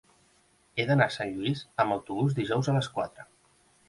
He d'anar a Sant Lluís amb autobús dijous a les quatre.